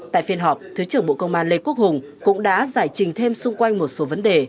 tại phiên họp thứ trưởng bộ công an lê quốc hùng cũng đã giải trình thêm xung quanh một số vấn đề